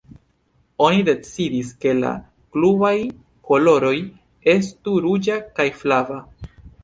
Oni decidis ke la klubaj koloroj estu ruĝa kaj flava.